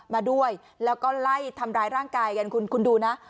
มาด้วยแล้วก็ไล่ทำร้ายร่างกายกันคุณดูนะ